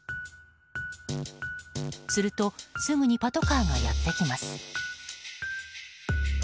するとすぐにパトカーがやってきます。